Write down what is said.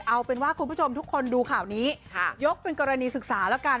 เอาเป็นว่าคุณผู้ชมทุกคนดูข่าวนี้ยกเป็นกรณีศึกษาแล้วกัน